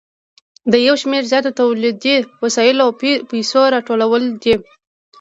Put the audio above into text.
د یو شمېر زیاتو تولیدي وسایلو او پیسو راټولېدل دي